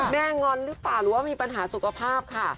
งอนหรือเปล่าหรือว่ามีปัญหาสุขภาพค่ะ